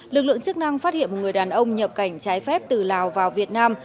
lực lượng chức năng phát hiện một người đàn ông nhập cảnh trái phép từ lào vào việt nam